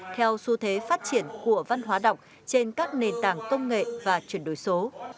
theo xu thế phát triển của văn hóa đọc trên các nền tảng công nghệ và chuyển đổi số